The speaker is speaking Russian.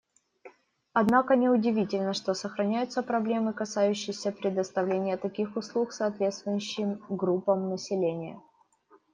Однако не удивительно, что сохраняются проблемы, касающиеся предоставления таких услуг соответствующим группам населения.